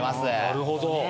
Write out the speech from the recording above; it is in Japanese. なるほど。